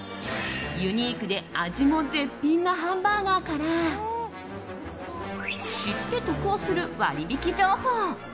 ユニークで味も絶品なハンバーガーから知って得をする割引情報。